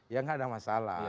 ya nggak ada masalah